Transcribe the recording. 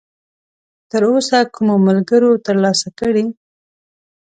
تراوسه کومو ملګرو ترلاسه کړی!؟